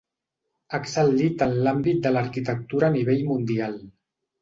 Ha excel·lit en l’àmbit de l’arquitectura a nivell mundial.